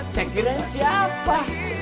cek kirain siapa